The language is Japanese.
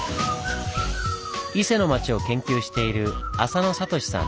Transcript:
伊勢の町を研究している浅野聡さん。